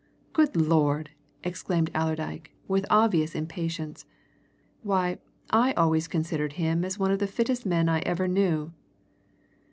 "Good Lord!" exclaimed Allerdyke, with obvious impatience. "Why, I always considered him as one of the fittest men I ever knew!"